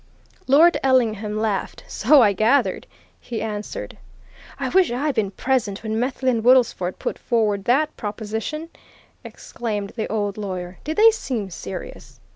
Lord Ellingham laughed. "So I gathered!" he answered. "I wish I'd been present when Methley and Woodlesford put forward that proposition," exclaimed the old lawyer. "Did they seem serious?"